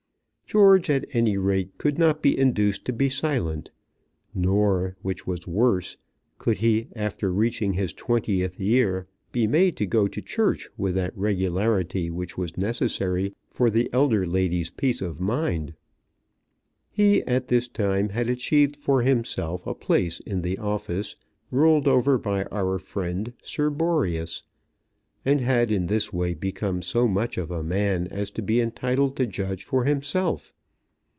George at any rate could not be induced to be silent; nor, which was worse, could he after reaching his twentieth year be made to go to church with that regularity which was necessary for the elder lady's peace of mind. He at this time had achieved for himself a place in the office ruled over by our friend Sir Boreas, and had in this way become so much of a man as to be entitled to judge for himself.